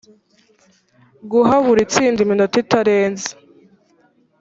guha buri itsinda iminota itarenze